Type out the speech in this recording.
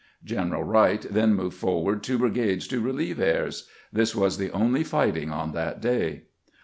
General Wright then moved forward two brigades to relieve Ayres. This was the only fighting on that day.